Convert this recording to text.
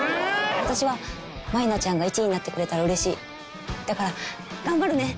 私は舞菜ちゃんが１位になってくれたらうれしいだから頑張るね！